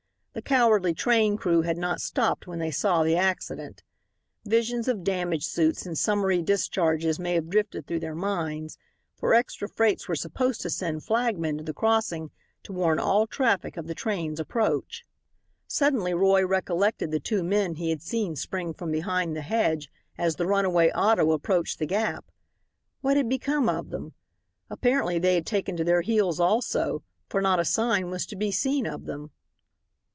The cowardly train crew had not stopped when they saw the accident. Visions of damage suits and summary discharges may have drifted through their minds, for extra freights were supposed to send flagmen to the crossing to warn all traffic of the train's approach. Suddenly Roy recollected the two men he had seen spring from behind the hedge as the runaway auto approached the gap. What had become of them? Apparently they had taken to their heels also, for not a sign was to be seen of them.